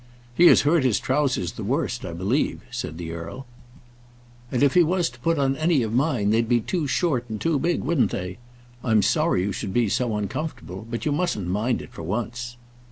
"He has hurt his trowsers the worst, I believe," said the earl. "And if he was to put on any of mine they'd be too short and too big, wouldn't they? I am sorry you should be so uncomfortable, but you mustn't mind it for once."